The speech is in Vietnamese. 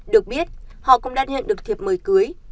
được biết họ cũng đã nhận được thiệp mời cưới